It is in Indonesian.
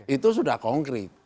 itu sudah konkret